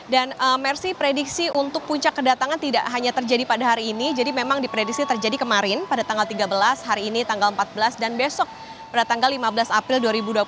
dan mersi prediksi untuk puncak kedatangan tidak hanya terjadi pada hari ini jadi memang diprediksi terjadi kemarin pada tanggal tiga belas hari ini tanggal empat belas dan besok pada tanggal lima belas april dua ribu dua puluh empat